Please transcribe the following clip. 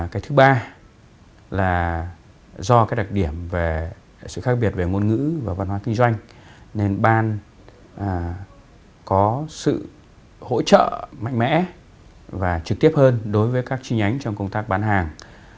cái thứ ba là do cái đặc điểm về sự khác biệt về ngôn ngữ và văn hóa kinh doanh nên ban có sự hỗ trợ mạnh mẽ và trực tiếp hơn đối với các chi nhánh trong công tác bán hàng